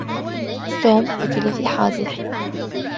توم قتل في حادث.